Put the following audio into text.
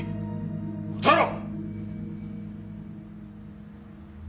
答えろ！